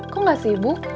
kok gak sibuk